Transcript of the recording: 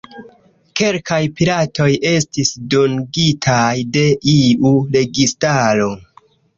Kelkaj piratoj estis dungitaj de iu registaro.